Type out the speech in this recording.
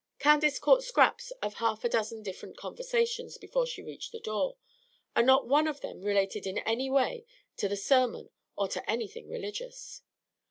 Candace caught scraps of half a dozen different conversations before she reached the door, and not one of them related in any way to the sermon or to anything religious.